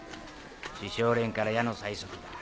師匠連から矢の催促だ。